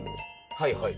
はいはい。